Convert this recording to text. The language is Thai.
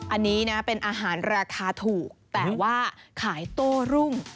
อันนี้นะเป็นอาหารราคาถูกแต่ว่าขายโต้รุ่ง